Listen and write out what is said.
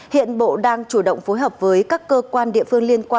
hiện bộ đang chủ động phối hợp với các cơ quan địa phương